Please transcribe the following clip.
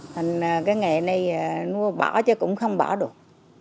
thành cái nghề này nuôi bỏ chứ cũng không bỏ được